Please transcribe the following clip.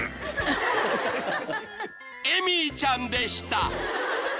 ［エミーちゃんでした］